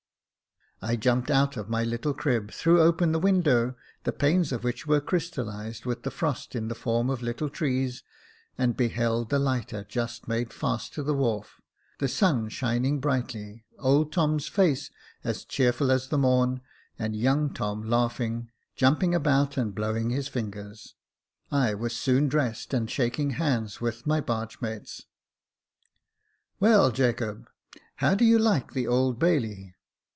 I jumped out of my little crib, threw open the window, the panes of which were crystallised with the frost in the form of little trees, and beheld the lighter just made fast to the wharf, the sun shining brightly, old Tom's face as cheerful as the morn, and young Tom laughing, jumping about and blowing his fingers. I was soon dressed, and shaking hands with my bargemates. *• Well, Jacob, how do you like the Old Bailey